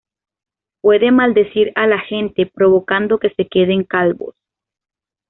Puede maldecir a la gente provocando que se queden calvos.